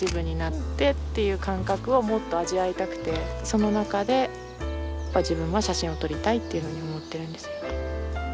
その中で自分は写真を撮りたいというふうに思ってるんですよ。